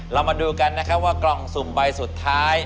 เรามาดูกันนะครับว่ากล่องสุ่มใบสุดท้าย